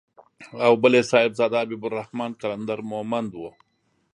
او بل يې صاحبزاده حبيب الرحمن قلندر مومند و.